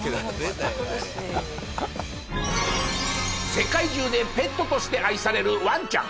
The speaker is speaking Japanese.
世界中でペットとして愛されるワンちゃん。